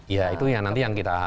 ya itu yang nanti yang kita